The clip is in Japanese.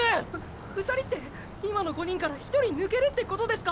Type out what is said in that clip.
ふっ２人って今の５人から１人抜けるってことですか？